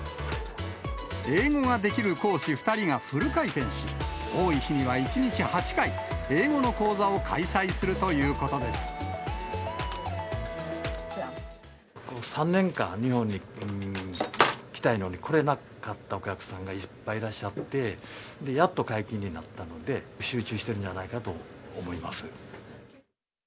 英語ができる講師２人がフル回転し、多い日には１日８回、英語の３年間、日本に来たいのに来れなかったお客さんがいっぱいいらっしゃって、やっと解禁になったので、集中してるんじゃないかと思います。